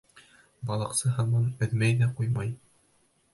Балыҡсы һаман өҙмәй ҙә ҡуймай: